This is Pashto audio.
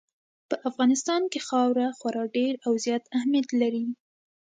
په افغانستان کې خاوره خورا ډېر او زیات اهمیت لري.